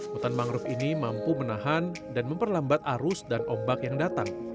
hutan mangrove ini mampu menahan dan memperlambat arus dan ombak yang datang